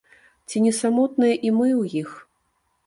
Ці не самотныя і мы ў іх?